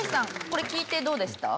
これ聞いてどうでした？